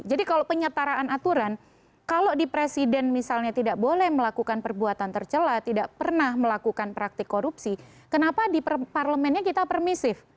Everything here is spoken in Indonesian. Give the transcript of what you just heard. jadi kalau penyetaraan aturan kalau di presiden misalnya tidak boleh melakukan perbuatan tercela tidak pernah melakukan praktik korupsi kenapa di parlemennya kita permisif